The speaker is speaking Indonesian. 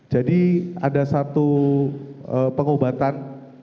jadi ada satu pengobatan